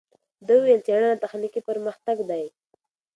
ده وویل، څېړنه تخنیکي پرمختګ دی.